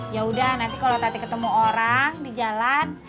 ya udah nanti kalau tadi ketemu orang di jalan